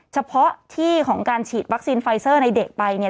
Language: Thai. เฉพาะที่ของการฉีดวัคซีนไฟเซอร์ในเด็กไปเนี่ย